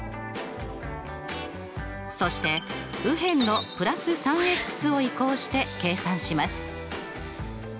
そして右辺の＋３を移項して計算します。